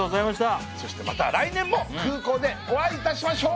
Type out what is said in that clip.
そしてまた来年も空港でお会いいたしましょう。